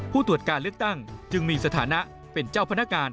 ผู้ตรวจการเลือกตั้งจึงมีสถานะเป็นเจ้าพนักงาน